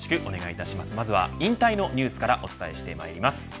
まずは、引退のニュースからお伝えしてまいります。